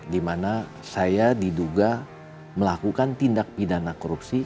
di mana saya diduga melakukan tindak pidana korupsi